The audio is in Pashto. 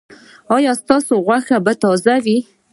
ایا ستاسو غوښه به تازه وي؟